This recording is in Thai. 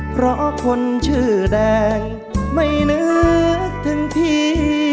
เพราะคนชื่อแดงไม่นึกถึงที